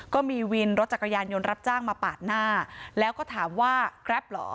ก็มีวินรถจักรยานยนต์รับจ้างมาปาดหน้าแล้วก็ถามว่าแกรปเหรอ